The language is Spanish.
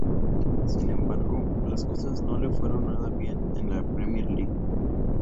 Sin embargo, las cosas no le fueron nada bien en la Premier League.